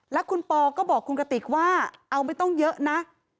แล้วคุณปอก็บอกคุณกติกว่าเอาไม่ต้องเยอะนะ